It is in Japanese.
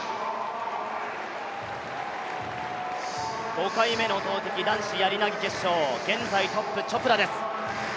５回目の投てき、男子やり投決勝、現在トップ、チョプラです。